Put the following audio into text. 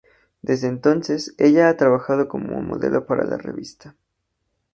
Desde entonces, ella ha trabajado como modelo para la revista.